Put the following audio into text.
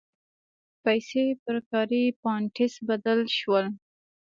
پیسې پر کاري پاینټس بدل شول.